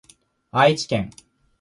愛知県